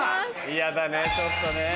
嫌だねちょっとねぇ。